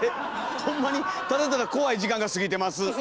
ほんまにただただ怖い時間が過ぎてます。